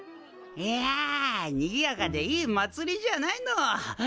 いやにぎやかでいいまつりじゃないの。